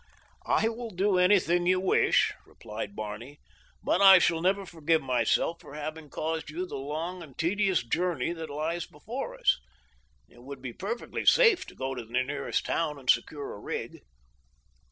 "I will do anything you wish," replied Barney, "but I shall never forgive myself for having caused you the long and tedious journey that lies before us. It would be perfectly safe to go to the nearest town and secure a rig."